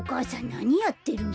なにやってるの？